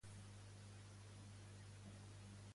Aquesta cançó que està de fons de country no la suporto.